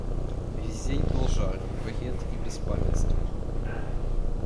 Весь день был жар, бред и беспамятство.